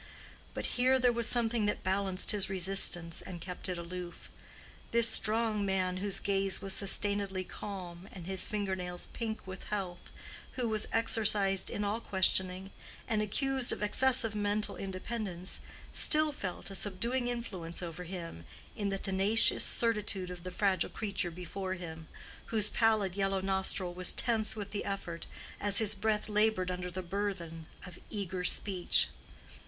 But here there was something that balanced his resistance and kept it aloof. This strong man whose gaze was sustainedly calm and his finger nails pink with health, who was exercised in all questioning, and accused of excessive mental independence, still felt a subduing influence over him in the tenacious certitude of the fragile creature before him, whose pallid yellow nostril was tense with effort as his breath labored under the burthen of eager speech.